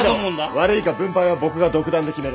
悪いが分配は僕が独断で決める。